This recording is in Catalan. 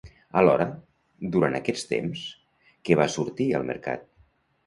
Alhora, durant aquest temps, què va sortir al mercat?